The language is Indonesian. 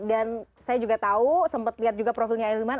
dan saya juga tahu sempat lihat juga profilnya hilman